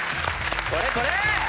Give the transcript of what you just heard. これこれ！